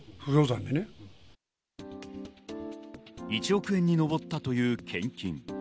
１億円に上ったという献金。